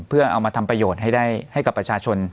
เพื่อเอามาทำประโยชน์ให้กับประชาชน